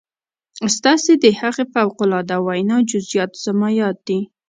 ستاسې د هغې فوق العاده وينا جزئيات زما ياد دي.